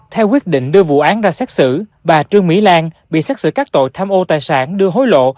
theo quyết định đưa vụ án ra xét xử bà trương mỹ lan bị xét xử các tội tham ô tài sản đưa hối lộ